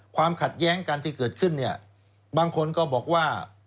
ความขัดแย้งกันที่เกิดขึ้นเนี่ยบางคนก็บอกว่า